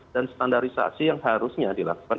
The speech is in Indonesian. dan standarisasi yang harusnya dilakukan